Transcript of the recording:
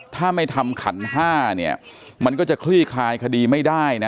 ถ้าไม่ทำขัน๕เนี่ยมันก็จะคลี่คลายคดีไม่ได้นะ